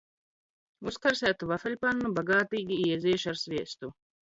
Uzkarsētu vafeļpannu bagātīgi ieziež ar sviestu.